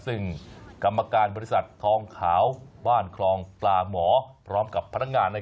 ซึ่งกรรมการบริษัททองขาวบ้านคลองปลาหมอพร้อมกับพนักงาน